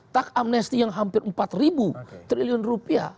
tak amnesty yang hampir empat triliun rupiah